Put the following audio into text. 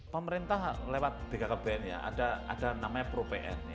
pemerintah lewat bkkbn ya ada namanya pro pn